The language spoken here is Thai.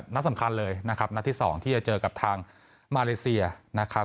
นัดสำคัญเลยนะครับนัดที่๒ที่จะเจอกับทางมาเลเซียนะครับ